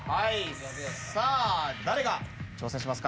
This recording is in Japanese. さあ誰が挑戦しますか？